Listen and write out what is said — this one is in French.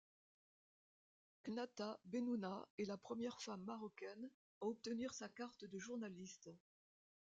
Khnata Bennouna est la première femme marocaine à obtenir sa carte de journaliste.